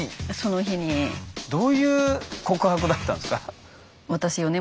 どういう告白だったんですか？